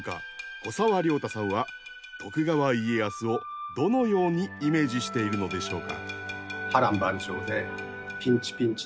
古沢良太さんは徳川家康をどのようにイメージしているのでしょうか？